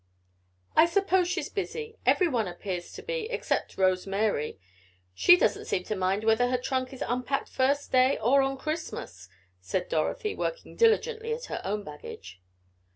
"I suppose she's busy, every one appears to be except Rose Mary. She doesn't seem to mind whether her trunk is unpacked first day or on Christmas," said Dorothy, working diligently at her own baggage.